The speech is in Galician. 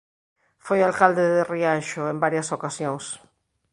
Foi alcalde de Rianxo en varias ocasións.